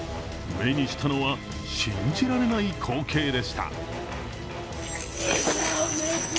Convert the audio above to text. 目にしたのは、信じられない光景でした。